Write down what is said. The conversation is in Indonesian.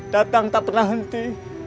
datang tak pernah henti